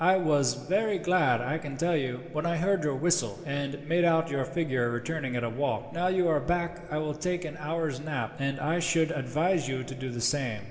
I was very glad, I can tell you, when I heard your whistle, and made out your figure returning at a walk. Now you are back I will take an hour's nap, and I should advise you to do the same."